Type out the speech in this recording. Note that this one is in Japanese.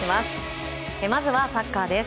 まずはサッカーです。